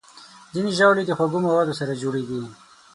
ځینې ژاولې د خوږو موادو سره جوړېږي.